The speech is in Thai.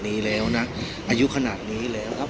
พี่อัดมาสองวันไม่มีใครรู้หรอก